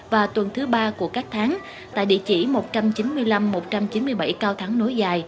và tuần thứ ba của các tháng tại địa chỉ một trăm chín mươi năm một trăm chín mươi bảy cao thắng nối dài